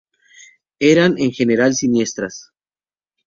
Eran, en general, siniestras.